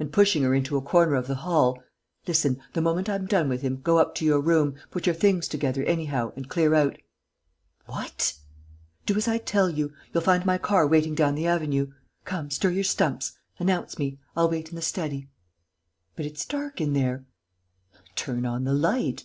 And, pushing her into a corner of the hall, "Listen.... The moment I'm done with him, go up to your room, put your things together anyhow and clear out." "What!" "Do as I tell you. You'll find my car waiting down the avenue. Come, stir your stumps! Announce me. I'll wait in the study." "But it's dark in there." "Turn on the light."